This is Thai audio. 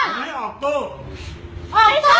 ช่วยด้วยค่ะส่วนสุด